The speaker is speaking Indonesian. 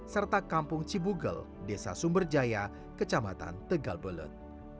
serta kampung cibugel desa sumberjaya kecamatan tegal belut